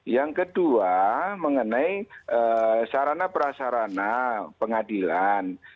yang kedua mengenai sarana prasarana pengadilan